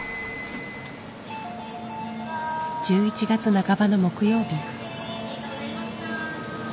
１１月半ばの木曜日。